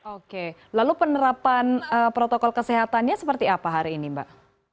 oke lalu penerapan protokol kesehatannya seperti apa hari ini mbak